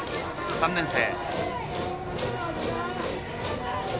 ３年生。